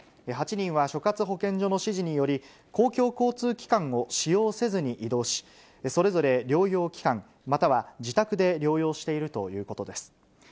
８人は所轄保健所の指示により、公共交通機関を使用せずに移動し、それぞれ療養機関または自宅で療養しているということです。